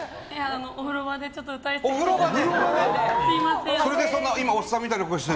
お風呂場でちょっと歌いすぎちゃって。